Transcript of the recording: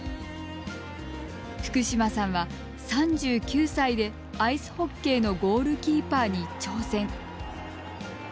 福島さんは３９歳でアイスホッケーのゴールキーパーに挑戦。